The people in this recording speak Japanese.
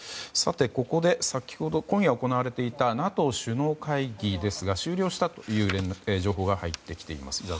ここで先ほど今夜行われていたＮＡＴＯ首脳会議ですが終了したという情報が入ってきています。